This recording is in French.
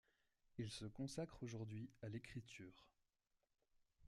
Il se consacre aujourd'hui à l'écriture.